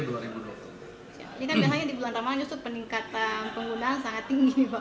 jadi kan biasanya di bulan ramadhan itu peningkatan penggunaan sangat tinggi pak